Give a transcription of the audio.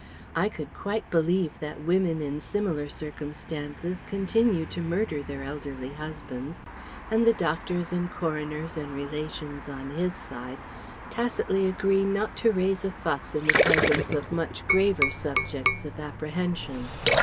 I could quite believe that women in similar circumstances continue to murder their elderly husbands, and the doctors and coroners and relations on "his" side tacitly agree not to raise a fuss in the presence of much graver subjects of apprehension.